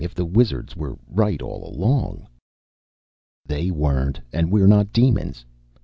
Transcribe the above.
If the wizards were right all along...." "They weren't, and we're not demons.